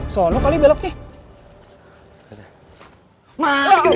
sono kali beloknya